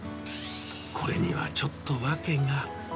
これにはちょっと訳が。